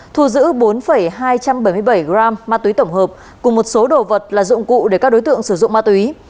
thu giữ bốn hai trăm bảy mươi bảy gram ma túy tổng hợp cùng một số đồ vật là dụng cụ để các đối tượng sử dụng ma túy